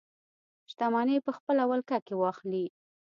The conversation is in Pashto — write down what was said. شتمنۍ په خپله ولکه کې واخلي.